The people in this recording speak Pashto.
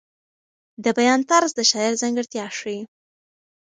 د بیان طرز د شاعر ځانګړتیا ښیي.